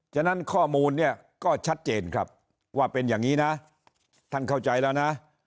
ฉะนั้นข้อมูลเนี่ยก็ชัดเจนครับว่าเป็นอย่างนี้นะท่านเข้าใจแล้วนะ